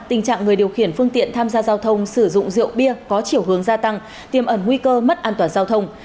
tình trạng người điều khiển phương tiện tham gia giao thông sử dụng rượu bia có chiều hướng gia tăng tiêm ẩn nguy cơ mất an toàn giao thông